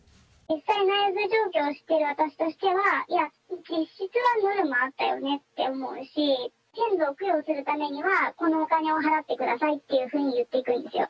実際、内部状況を知っている私としては、いや、実質はノルマあったよねって思うし、先祖を供養するためにはこのお金を払ってくださいっていうふうに言っていくんですよ。